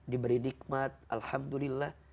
diberi nikmat alhamdulillah